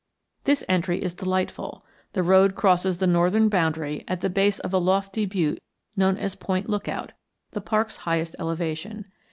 This entry is delightful. The road crosses the northern boundary at the base of a lofty butte known as Point Lookout, the park's highest elevation.